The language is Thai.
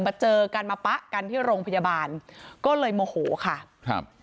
เจอกันมาปะกันที่โรงพยาบาลก็เลยโมโหค่ะครับ